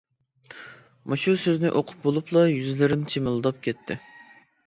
مۇشۇ سۆزنى ئوقۇپ بولۇپلا يۈزلىرىم چىمىلداپ كەتتى.